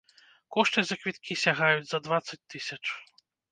Кошты за квіткі сягаюць за дваццаць тысяч.